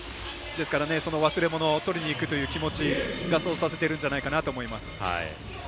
ですから、その忘れ物を取りにいくという気持ちがそうさせてるんじゃないかなと思います。